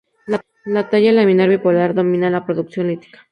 La talla laminar bipolar domina la producción lítica.